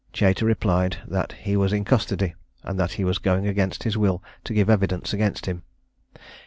Chater replied that he was in custody, and that he was going against his will to give evidence against him.